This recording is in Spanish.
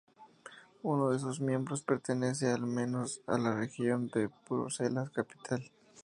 Uno de sus miembros pertenece al menos a la región de Bruselas capital.